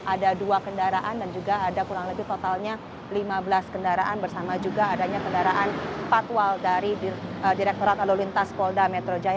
ada dua kendaraan dan juga ada kurang lebih totalnya lima belas kendaraan bersama juga adanya kendaraan patwal dari direkturat lalu lintas polda metro jaya